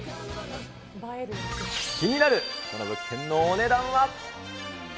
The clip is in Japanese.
気になるこの物件のお値段は。